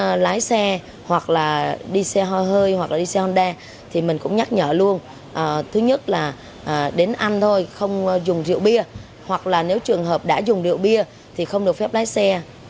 người ta lái xe hoặc là đi xe hơi hoặc là đi xe honda thì mình cũng nhắc nhở luôn thứ nhất là đến ăn thôi không dùng rượu bia hoặc là nếu trường hợp đã dùng rượu bia thì không được phép lái xe